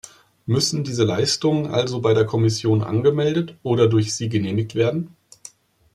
Müssen diese Leistungen also bei der Kommission angemeldet oder durch sie genehmigt werden?